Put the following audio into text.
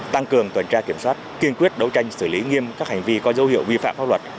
tăng cường tuần tra kiểm soát kiên quyết đấu tranh xử lý nghiêm các hành vi có dấu hiệu vi phạm pháp luật